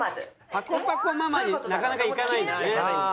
「“パコパコママ”になかなかいかないんだね」